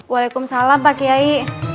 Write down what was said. waalaikumsalam pak kiai